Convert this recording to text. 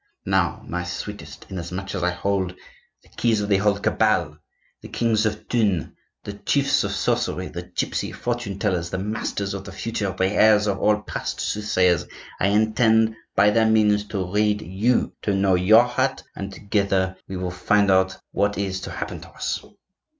Now, my sweetest, inasmuch as I hold the keys of the whole cabal,—the kings of Thune, the chiefs of sorcery, the gypsy fortune tellers, the masters of the future, the heirs of all past soothsayers,—I intend by their means to read you, to know your heart; and, together, we will find out what is to happen to us."